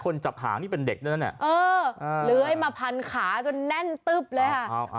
จับหางนี่เป็นเด็กด้วยนะเนี่ยเออเลื้อยมาพันขาจนแน่นตึ๊บเลยค่ะ